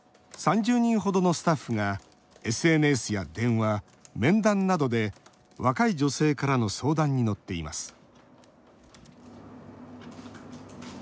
３０人ほどのスタッフがＳＮＳや電話、面談などで若い女性からの相談に乗っています